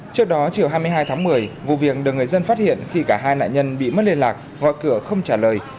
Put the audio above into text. trước đó chiều hai mươi hai tháng một mươi vụ việc được người dân phát hiện khi cả hai nạn nhân bị mất liên lạc gọi cửa không trả lời